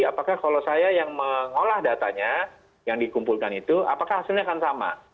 apakah kalau saya yang mengolah datanya yang dikumpulkan itu apakah hasilnya akan sama